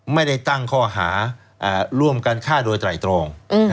ไม่ได้ตั้งข้อหาร่วมกันฆ่าโดยไตรตรอง